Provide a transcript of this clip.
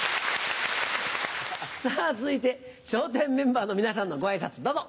さぁ続いて笑点メンバーの皆さんのご挨拶どうぞ！